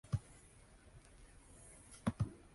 今日は、ジャズが聞きたい気分だ